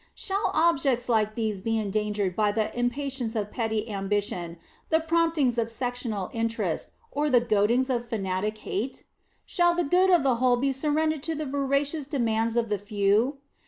Shall objects like these be endangered by the impatience of petty ambition, the promptings of sectional interest, or the goadings of fanatic hate? Shall the good of the whole be surrendered to the voracious demands of the few?